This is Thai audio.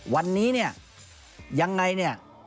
วันนี้เนี่ยยังไงเนี่ย